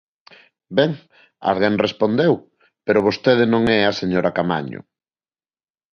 Ben, alguén respondeu pero vostede non é a señora Caamaño.